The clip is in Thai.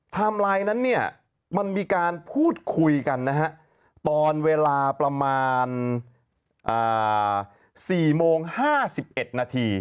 ไลน์นั้นเนี่ยมันมีการพูดคุยกันนะฮะตอนเวลาประมาณ๔โมง๕๑นาที